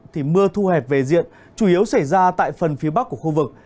thì mưa thu hẹp về diện chủ yếu xảy ra tại phần phía bắc của khu vực